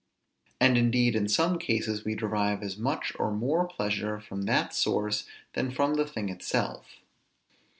And indeed in some cases we derive as much or more pleasure from that source than from the thing itself.